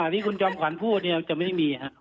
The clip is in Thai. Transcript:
ที่คุณจอมขวัญพูดเนี่ยจะไม่มีฮะ